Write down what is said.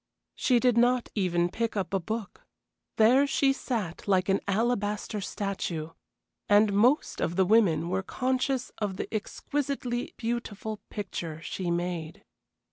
She did not even pick up a book. There she sat like an alabaster statue, and most of the women were conscious of the exquisitely beautiful picture she made.